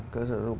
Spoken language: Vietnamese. cơ sở dụng